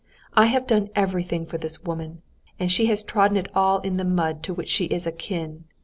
I have done everything for this woman, and she has trodden it all in the mud to which she is akin.